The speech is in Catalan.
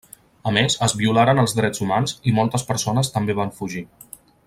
A més es violaren els drets humans i moltes persones també van fugir.